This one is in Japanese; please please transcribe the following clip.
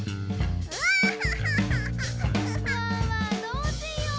どうしよう？